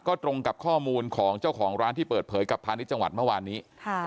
ก็ตรงกับข้อมูลของเจ้าของร้านที่เปิดเผยกับพาณิชย์จังหวัดเมื่อวานนี้